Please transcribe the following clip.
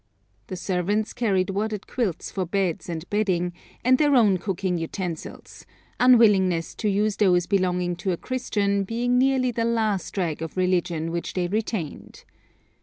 The servants carried wadded quilts for beds and bedding, and their own cooking utensils, unwillingness to use those belonging to a Christian being nearly the last rag of religion which they retained.